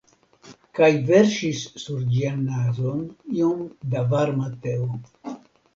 Kaj verŝis sur ĝian nazon iom da varma teo.